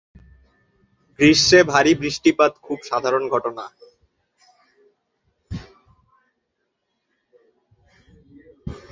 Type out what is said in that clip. গ্রীষ্মে ভারী বৃষ্টিপাত খুব সাধারণ ঘটনা।